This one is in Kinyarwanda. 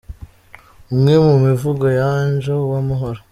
Umwe mu mivugo ya Angel Uwamahoro.